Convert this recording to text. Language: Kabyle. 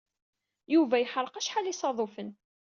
Yuba yeḥreq acḥal n yisaḍufen.